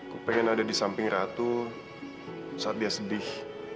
aku pengen ada di samping ratu saat dia sedih